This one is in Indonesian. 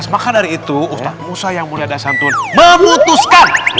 maka dari itu usaha yang mulia dan santun memutuskan